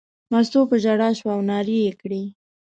مستو په ژړا شوه او نارې یې کړې.